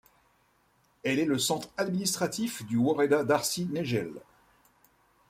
Elle est le centre administratif du woreda d'Arsi Negele.